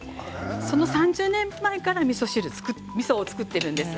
その３０年前からみそを造っているんです。